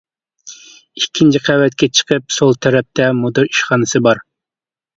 ئىككىنچى قەۋەتكە چىقىپ سول تەرەپتە مۇدىر ئىشخانىسى بار.